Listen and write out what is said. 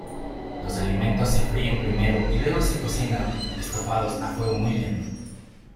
Los alimentos se fríen primero y luego se cocinan estofados a fuego muy lento.